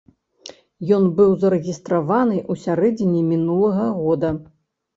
Ён быў зарэгістраваны ў сярэдзіне мінулага года.